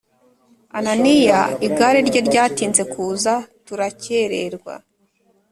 Ananiya igare rye ryatinze kuza turakererwa